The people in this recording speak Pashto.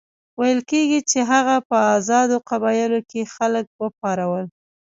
ویل کېږي چې هغه په آزادو قبایلو کې خلک وپارول.